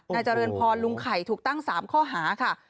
นายเจริญพรลุงไข่ถูกตั้ง๓ข้อหาค่ะ